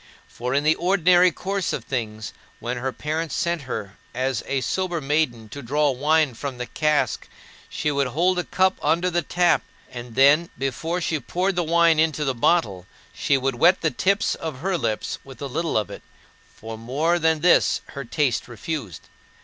For, in the ordinary course of things, when her parents sent her as a sober maiden to draw wine from the cask, she would hold a cup under the tap; and then, before she poured the wine into the bottle, she would wet the tips of her lips with a little of it, for more than this her taste refused.